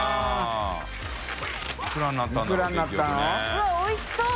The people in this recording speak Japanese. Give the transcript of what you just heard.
うわおいしそう！